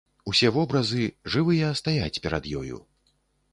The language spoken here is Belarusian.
Усе вобразы, жывыя, стаяць перад ёю.